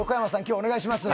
今日お願いします